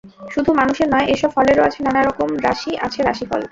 শুধু মানুষের নয়, এসব ফলেরও আছে নানা রকম রাশি, আছে রাশিফল।